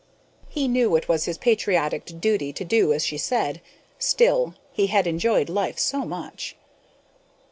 He knew it was his patriotic duty to do as she said; still, he had enjoyed life so much.